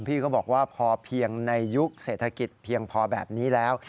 พี่ก็บอกว่าพอเพียงในยุคเศรษฐกิจเพียงพอแบบนี้แล้ว